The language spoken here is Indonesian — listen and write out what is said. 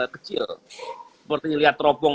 kecil seperti melihat terobong